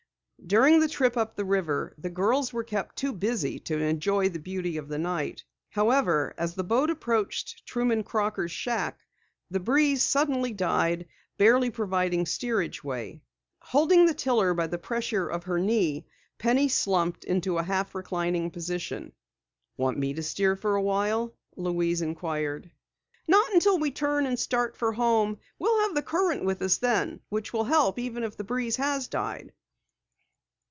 During the trip up the river the girls were kept too busy to enjoy the beauty of the night. However, as the boat approached Truman Crocker's shack, the breeze suddenly died, barely providing steerage way. Holding the tiller by the pressure of her knee, Penny slumped into a half reclining position. "Want me to steer for awhile?" Louise inquired. "Not until we turn and start for home. We'll have the current with us then, which will help, even if the breeze has died."